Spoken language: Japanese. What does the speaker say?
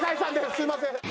すみません。